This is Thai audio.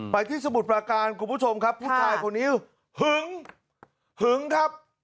ที่สมุทรประการคุณผู้ชมครับผู้ชายคนนี้หึงหึงครับ